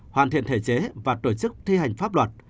hoàn thiện thể chế và tổ chức thi hành pháp luật